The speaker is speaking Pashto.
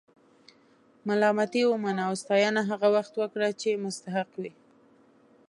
ملامتي ومنه او ستاینه هغه وخت ورکړه چې مستحق وي.